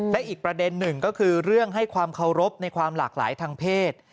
และอีกประเด็นหนึ่งก็คือเรื่องให้ความเคารพในความหลากหลายทางเพศ